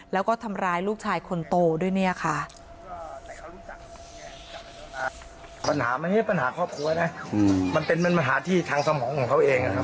แล้วก็ทำร้ายลูกชายคนโตด้วยเนี่ยค่ะ